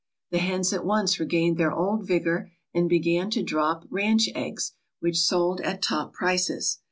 The hens at once regained their old vigour and began to drop "ranch eggs" which sold at top prices.